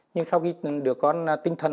nhưng sau khi được con tinh thần